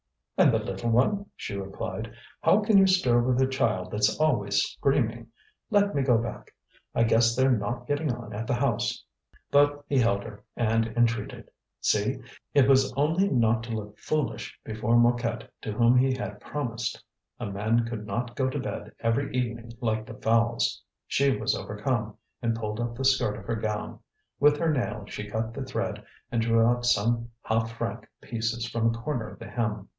"And the little one?" she replied. "How can one stir with a child that's always screaming? Let me go back, I guess they're not getting on at the house." But he held her and entreated. See! it was only not to look foolish before Mouquet to whom he had promised. A man could not go to bed every evening like the fowls. She was overcome, and pulled up the skirt of her gown; with her nail she cut the thread and drew out some half franc pieces from a corner of the hem.